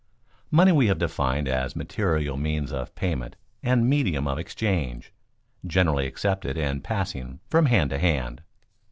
_Money we have defined as a material means of payment and medium of exchange, generally accepted and passing from hand to hand.